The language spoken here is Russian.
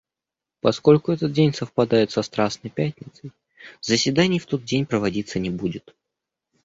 Поскольку этот день совпадает со Страстной Пятницей, заседаний в тот день проводиться не будет.